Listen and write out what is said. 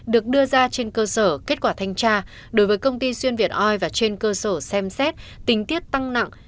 được đưa ra trên cơ sở kết quả thanh tra đối với công ty xuyên việt oi và trên cơ sở xem xét tình tiết tăng nặng